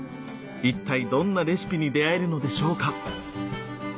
一体どんなレシピに出会えるのでしょうか？